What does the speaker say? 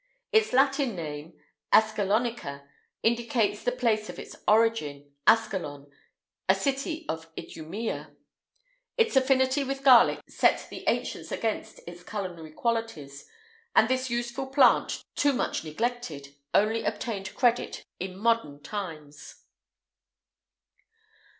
Its Latin name, Ascalonica, indicates the place of its origin, Ascalon, a city of Idumea.[IX 193] Its affinity with garlic set the ancients against its culinary qualities, and this useful plant, too much neglected, only obtained credit in modern times.